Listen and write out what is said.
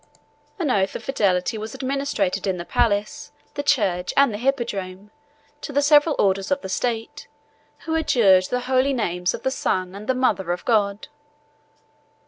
An oath of fidelity was administered in the palace, the church, and the hippodrome, to the several orders of the state, who adjured the holy names of the Son, and mother of God.